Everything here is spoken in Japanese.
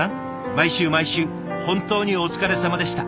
毎週毎週本当にお疲れさまでした。